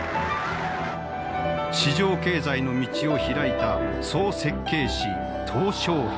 市場経済の道を開いた総設計師小平。